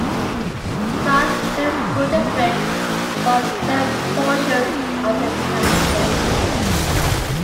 South Lake School District once served portions of the township.